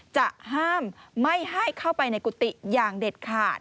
จะห้ามไม่ให้เข้าไปในกุฏิอย่างเด็ดขาด